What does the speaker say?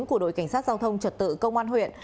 của đội cảnh sát giao thông trật tự công an huyện